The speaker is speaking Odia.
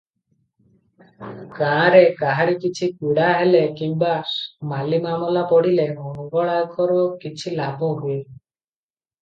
ଗାଁରେ କାହାରିକିଛି ପୀଡ଼ାହେଲେ କିମ୍ବା ମାଲିମାମଲା ପଡ଼ିଲେ ମଙ୍ଗଳାଙ୍କର କିଛିଲାଭହୁଏ ।